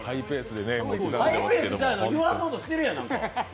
ハイペースちゃうやん、言わそうとしてるやん。